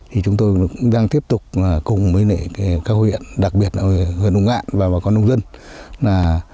thì chúng tôi cũng đang tiếp tục cùng với các huyện đặc biệt là huyện lộc ngạn và con nông dân